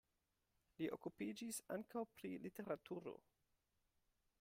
Li okupiĝis ankaŭ pri literaturo.